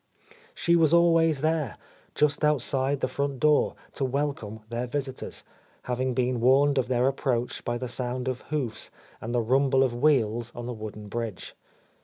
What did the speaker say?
She was always there, just outside the front door, to welcome their visitors, having been warned of their approach by the sound of hoofs and the rumble of wheels on the wooden bridge.